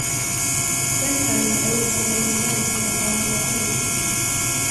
Den herrn är inte mera min vän, än vad han är din.